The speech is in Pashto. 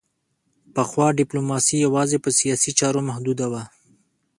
پخوا ډیپلوماسي یوازې په سیاسي چارو محدوده وه